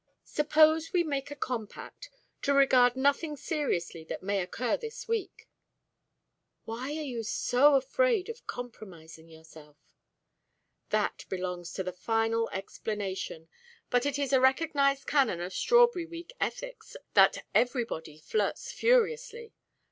"Suppose we make a compact to regard nothing seriously that may occur this week." "Why are you so afraid of compromising yourself?" "That belongs to the final explanation. But it is a recognised canon of strawberry week ethics that everybody flirts furiously.